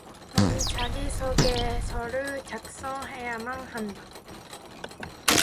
넌 자기소개서를 작성해야만 한다.